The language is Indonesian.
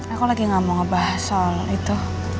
aku lagi gak mau ngebahas soal itu